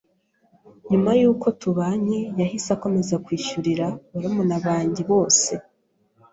nyuma yuko tubanye yahise akomeza kwishyurira barumuna banjye bose